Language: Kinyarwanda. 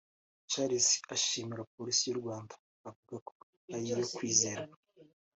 Charles ashimira Polisi y’u Rwanda avuga ko ari iyo kwizerwa